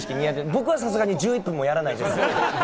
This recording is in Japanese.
僕はさすがに１１分もやらないです。